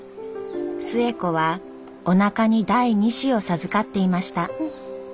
寿恵子はおなかに第２子を授かっていました。